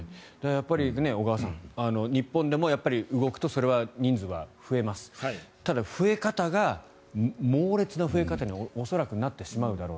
小川さん、日本でも、動くとそれは人数は増えますただ、増え方が猛烈な増え方に恐らくなってしまうだろう。